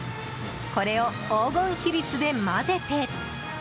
これを黄金比率で交ぜて。